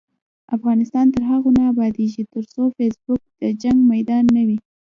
افغانستان تر هغو نه ابادیږي، ترڅو فیسبوک د جنګ میدان نه وي.